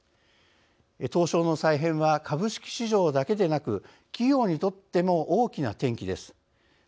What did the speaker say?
東証の再編は株式市場だけでなく企業にとっても大きな転機です。